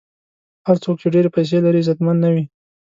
هر څوک چې ډېرې پیسې لري، عزتمن نه وي.